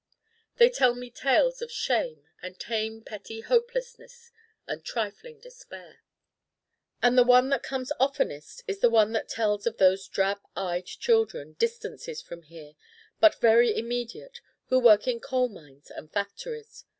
They tell me tales of shame and tame petty hopelessness and trifling despair. And the one that comes oftenest is the one that tells of those Drab Eyed children distances from here, but very immediate, who work in coal mines and factories.